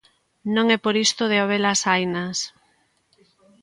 Non é por isto de habelas hainas.